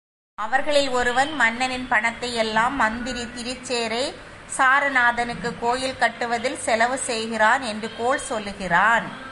அவர்களில் ஒருவன் மன்னனின் பணத்தையெல்லாம் மந்திரி திருச்சேறை சாரநாதனுக்குக் கோயில் கட்டுவதில் செலவு செய்கிறான் என்று கோள் சொல்லுகிறான்.